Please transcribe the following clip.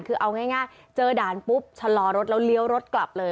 คือเอาง่ายเจอด่านปุ๊บชะลอรถแล้วเลี้ยวรถกลับเลย